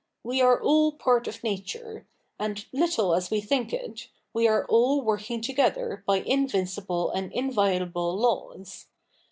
We are all part of Nature ; and, little as we think it, we are all working together by invincible and inviolable laws.